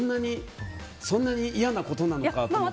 そんなに嫌なことなのかと思って。